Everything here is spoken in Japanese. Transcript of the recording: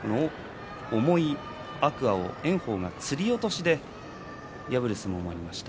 炎鵬がつり落としで破る相撲もありました。